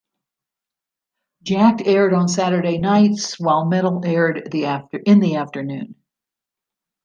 "Jakked" aired on Saturday nights while "Metal" aired in the afternoon.